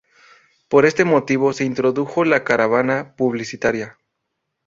Por este motivo, se introdujo la caravana publicitaria.